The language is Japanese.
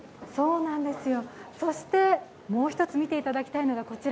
そしてもう一つ見ていただきたいのがこちら。